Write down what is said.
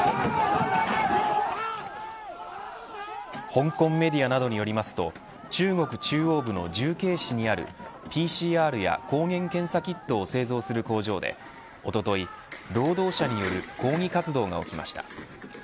香港メディアなどによりますと中国中央部の重慶市にあるＰＣＲや抗原検査キットを製造する工場でおととい、労働者による抗議活動が起きました。